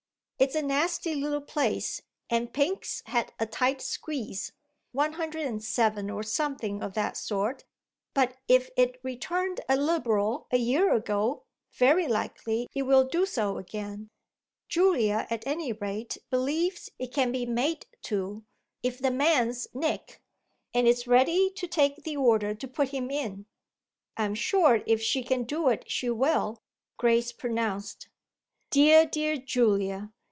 "It's a nasty little place, and Pinks had a tight squeeze 107 or something of that sort; but if it returned a Liberal a year ago very likely it will do so again. Julia at any rate believes it can be made to if the man's Nick and is ready to take the order to put him in." "I'm sure if she can do it she will," Grace pronounced. "Dear, dear Julia!